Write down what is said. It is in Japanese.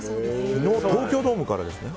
昨日、東京ドームからですよね。